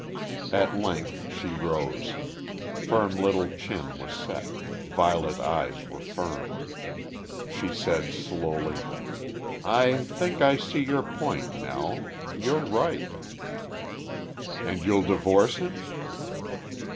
At length she rose. Firm little chin was set; violet eyes were firm. She said, slowly: "I think I see your point, Nell. You're right.' "And you'll divorce him?"